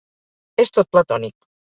És tot platònic.